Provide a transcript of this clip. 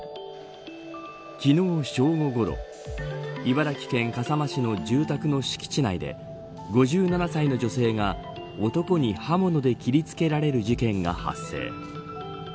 昨日、正午ごろ茨城県笠間市の住宅の敷地内で５７歳の女性が男に刃物で切り付けられる事件が発生。